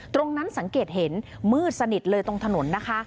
สังเกตเห็นมืดสนิทเลยตรงถนนนะคะ